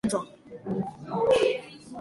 菠萝蛋白酶与姜黄合用能减轻症状。